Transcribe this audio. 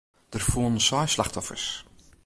Der foelen seis slachtoffers.